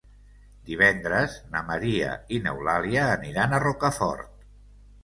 Divendres na Maria i n'Eulàlia aniran a Rocafort.